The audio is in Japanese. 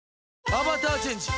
アバターチェンジ！